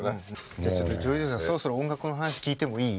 じゃあちょっとジョージおじさんそろそろ音楽の話聞いてもいい？